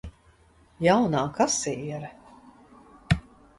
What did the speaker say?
Jaunā kasiere.